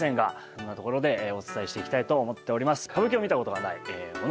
そんなところでお伝えしていきたいと思っております。